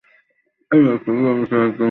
এই ম্যাচটা ডেনিশদের জন্য বেশি গুরুত্বপূর্ণ ছিল।